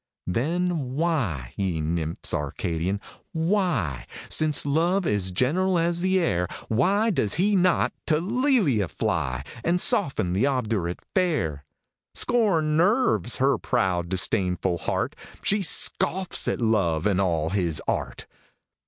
THE DREAM OF LOVE. 71 Then why, ye nymphs Arcadian, why Since Love is general as the air Why does he not to Lelia fly, And soften that obdurate fair? Scorn nerves her proud, disdainful heart ! She scoffs at Love and all his art